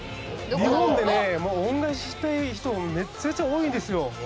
日本で恩返ししたい人めちゃめちゃ多いんですよ。